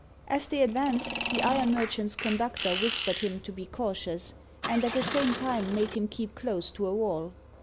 As they advanced, the iron merchant's conductor whispered him to be cautious, and, at the same time, made him keep close to a wall.